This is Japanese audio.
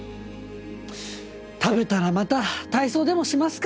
食べたらまた体操でもしますか！